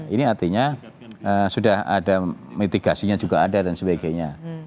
ini artinya sudah ada mitigasinya juga ada dan sebagainya